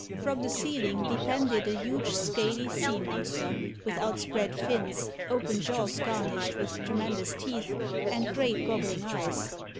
From the ceiling depended a huge scaly sea monster, with outspread fins, open jaws garnished with tremendous teeth, and great goggling eyes.